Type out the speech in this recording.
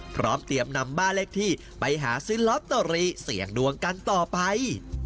พร้อมเตรียมนำบ้านเลขที่ไปหาซื้อลอตเตอรี่เสี่ยงดวงกันต่อไป